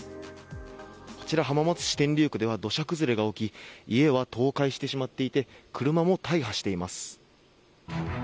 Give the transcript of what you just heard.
こちら、浜松市天竜区では土砂崩れが起き家は倒壊してしまっていて車も大破しています。